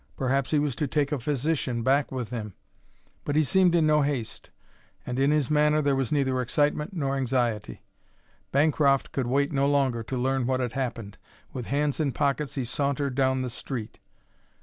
Perhaps he was to take a physician back with him. But he seemed in no haste, and in his manner there was neither excitement nor anxiety. Bancroft could wait no longer to learn what had happened. With hands in pockets he sauntered down the street.